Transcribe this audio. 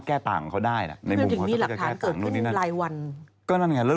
ซึ่งก็เป็นไม่ได้